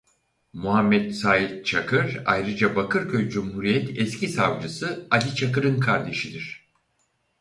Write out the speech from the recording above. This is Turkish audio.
Muhammet Sait Çakır ayrıca Bakırköy Cumhuriyet eski savcısı Ali Çakır'ın kardeşidir.